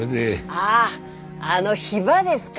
あああのヒバですか。